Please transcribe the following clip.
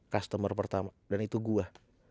customer pertama dan itu gue